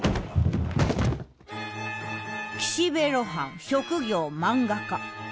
岸辺露伴職業漫画家。